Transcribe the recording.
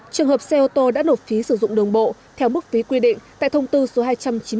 trường hợp xe ô tô đã nộp phí sử dụng đường bộ theo mức phí quy định tại thông tư số hai trăm chín mươi ba năm hai nghìn một mươi sáu